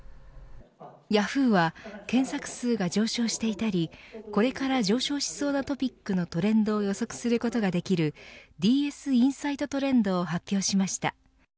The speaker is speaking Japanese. ヤフーは検索数が上昇していたりこれから上昇しそうなトピックのトレンドを予測することができるＤＳ．ＩＮＳＩＧＨＴＴｒｅｎｄを発表しました。